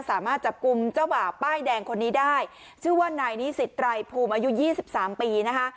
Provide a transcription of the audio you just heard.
สามารถจับกลุ่มเจ้าบ่าป้ายแดงคนนี้ได้ชื่อว่านายนิสิตไรภูมิอายุยี่สิบสามปีนะคะ